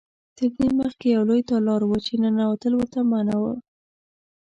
تر دې مخکې یو لوی تالار و چې ننوتل ورته منع و.